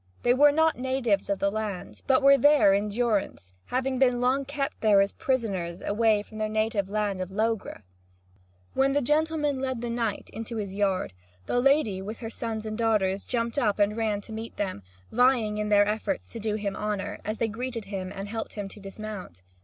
They were not natives of the land, but were there in durance, having been long kept there as prisoners away from their native land of Logres. When the gentleman led the knight into his yard, the lady with her sons and daughters jumped up and ran to meet them, vying in their efforts to do him honour, as they greeted him and helped him to dismount.